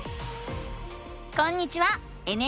こんにちは！